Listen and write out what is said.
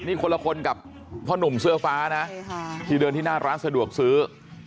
นี่คนละคนกับพ่อหนุ่มเสื้อฟ้านะที่เดินที่หน้าร้านสะดวกซื้อ